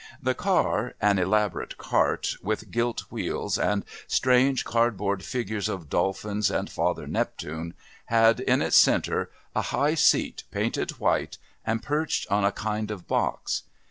The car an elaborate cart, with gilt wheels and strange cardboard figures of dolphins and Father Neptune had in its centre a high seat painted white and perched on a kind of box.